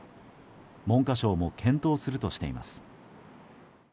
文科省も検討するとしています。